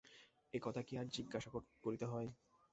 এ কথা কি আর জিজ্ঞাসা করিতে হয়?